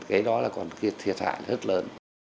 cái đó là còn thiệt hại rất lớn